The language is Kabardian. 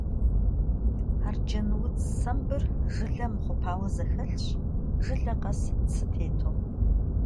Arcenudz sembır jjıle mıxhupaue zexelhş, jjıle khes tsı têtu.